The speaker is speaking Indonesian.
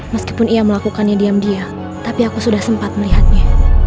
meskipun ia melakukannya diam diam tapi aku sudah sempat melihatnya